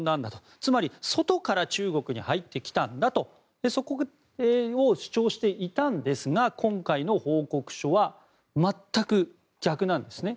つまり、外から中国に入ってきたんだとそこを主張していたんですが今回の報告書は全く逆なんです。